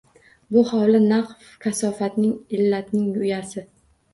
Bu hovli naq kasofatning, illatning uyasi.